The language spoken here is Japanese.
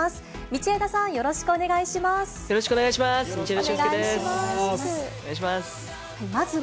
道枝さん、よろしくお願いします。